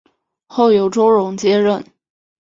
后由周荣接任。